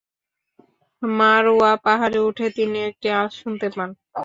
মারওয়া পাহাড়ে উঠে তিনি একটি আওয়াজ শুনতে পান।